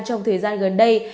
trong thời gian gần đây